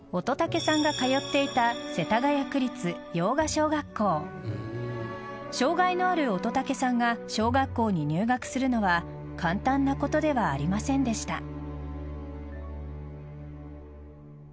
乙武さんが通っていた世田谷区立用賀小学校障害のある乙武さんが小学校に入学するのは簡単なことではありませんでした。